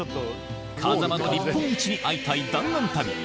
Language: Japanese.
風間の「日本一に会いたい弾丸旅」７